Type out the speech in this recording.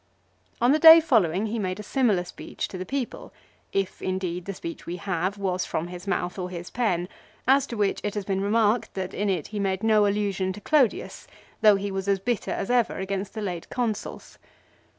On the day following he made a similar speech to the people, if indeed the speech we have was 'from his mouth or his pen, as to which it has been remarked that in it he made no allusion to Clodius though he was as bitter as ever against the late Consuls.